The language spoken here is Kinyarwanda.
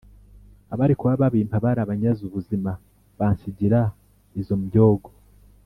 Abari kuba babimpa Barabanyaze ubuzima Bansigira izo mbyogo